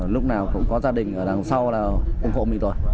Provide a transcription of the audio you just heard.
lúc nào cũng có gia đình ở đằng sau là cung phụ mình rồi